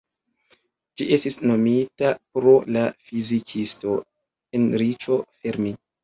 Ĝi estis nomita pro la fizikisto, Enrico Fermi.